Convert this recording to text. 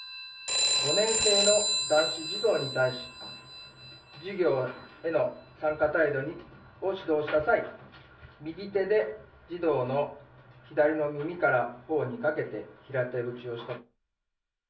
５年生の男子児童に対し、授業への参加態度を指導した際、右手で、児童の左の耳からほおにかけて平手打ちをしたと。